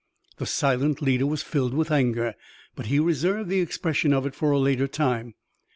The silent leader was filled with anger, but he reserved the expression of it for a later time.